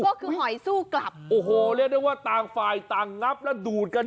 ก็คือหอยสู้กลับโอ้โหเรียกได้ว่าต่างฝ่ายต่างงับและดูดกัน